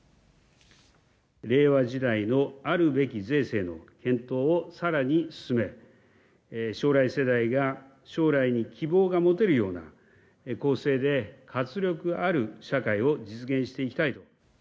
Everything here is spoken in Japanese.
令和時代のあるべき税制の検討をさらに進め、将来世代が将来に希望が持てるような、公正で活力ある社会を実現していきたいと。